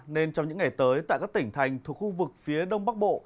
nên trong những ngày tới tại các tỉnh thành thuộc khu vực phía đông bắc bộ